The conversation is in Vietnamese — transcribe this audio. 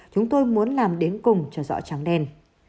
chúng tôi muốn làm đến cùng cho rõ trắng đen